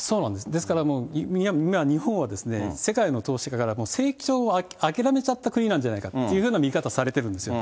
ですから、今、日本は世界の投資家から成長を諦めちゃった国なんじゃないかという見方されてるんですよ。